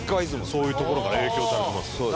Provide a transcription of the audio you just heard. そういうところから影響されてます。